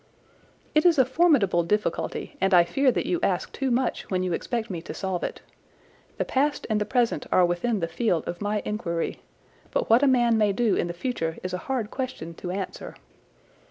"It is a formidable difficulty, and I fear that you ask too much when you expect me to solve it. The past and the present are within the field of my inquiry, but what a man may do in the future is a hard question to answer.